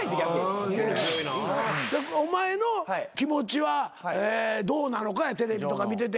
お前の気持ちはどうなのかやテレビとか見てて。